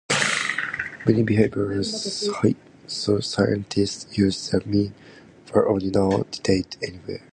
Many behavioural scientists use the mean for ordinal data, anyway.